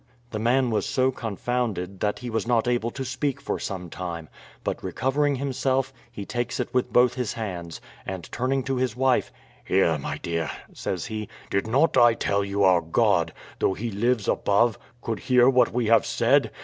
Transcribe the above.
The man was so confounded that he was not able to speak for some time; but, recovering himself, he takes it with both his hands, and turning to his wife, "Here, my dear," says he, "did not I tell you our God, though He lives above, could hear what we have said?